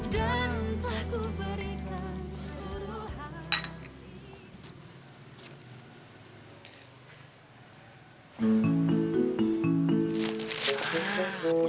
dan entah ku berikan seluruh hati